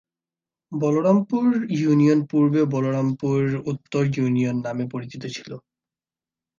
Balarampur union পূর্বে বলরামপুর উত্তর union নামে পরিচিত ছিল।